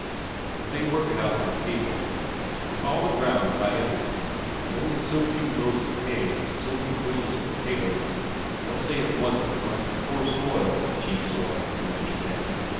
But they work it out by table. With all the ground as I entered it, and only so few loads of hay, so few bushels of potatoes, they'll say at once that it must be poor soil, cheap soil, you understand.